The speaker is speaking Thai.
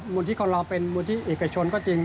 ก็หมุนที่คนรอมเป็นหมุนที่เอกชนก็จริง